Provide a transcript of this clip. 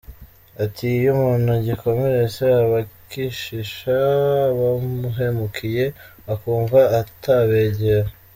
Ati «Iyo umuntu agikomeretse aba akishisha abamuhemukiye akumva atabegera.